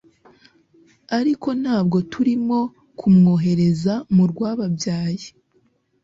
ariko ntabwo turimo kumwohereza mu rwababyaye